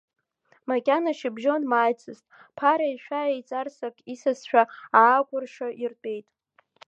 Макьана шьыбжьон маааицызт, Ԥара ишәа еицарсак исасцәа аакәырша иртәеит.